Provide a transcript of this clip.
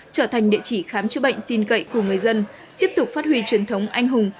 trở thành địa chỉ khám chữa bệnh tin cậy của người dân tiếp tục phát huy truyền thống anh hùng